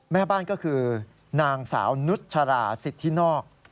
แม่บ้านก็คือนางสาวนุชราสิทธินอก